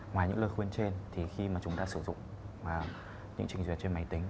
ngoài những lời khuyên trên thì khi mà chúng ta sử dụng những trình duyệt trên máy tính